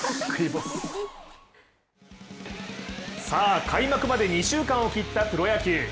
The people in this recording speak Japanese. さあ、開幕まで２週間を切ったプロ野球。